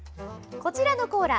こちらのコーラ。